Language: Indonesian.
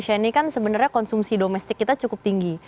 karena di indonesia ini kan sebenarnya konsumsi domestik kita cukup tinggi